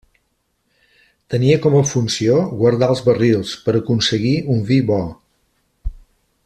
Tenia com a funció guardar els barrils, per aconseguir un vi bo.